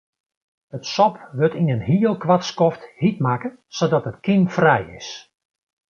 It sop wurdt yn in heel koart skoft hjit makke sadat it kymfrij is.